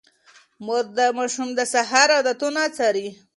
مور د ماشوم د سهار عادتونه څاري.